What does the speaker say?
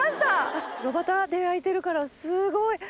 炉端で焼いてるからすごい！